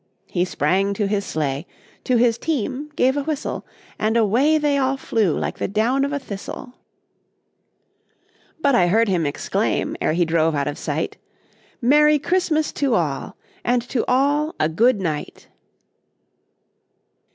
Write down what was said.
He sprang to his sleigh, to his team gave a whistle, And away they all flew like the down of a thistle; But I heard him exclaim, ere he drove out of sight, "Merry Christmas to all, and to all a good night!"